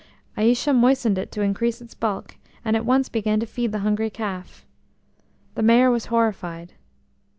Aïcha moistened it to increase its bulk, and at once began to feed the hungry calf. The Mayor was horrified.